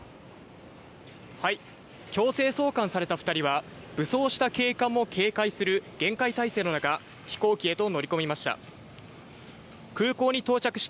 強制送還された２人は武装した警官も警戒する厳戒態勢の中、飛行機へと乗り込みました。